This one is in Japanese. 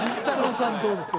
さんどうですか？